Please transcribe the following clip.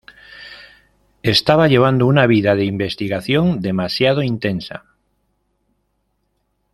Estaba llevando una vida de investigación demasiado intensa.